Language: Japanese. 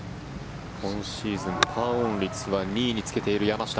今シーズン、パーオン率は２位につけている山下。